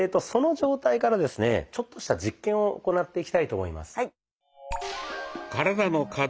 その状態からですねちょっとした実験を行っていきたいと思います。